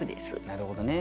なるほどね